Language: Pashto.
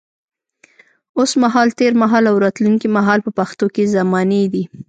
اوس مهال، تېر مهال او راتلونکي مهال په پښتو کې زمانې دي.